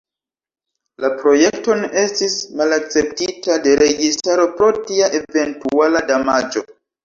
La projekton estis malakceptita de registaro pro tia eventuala damaĝo.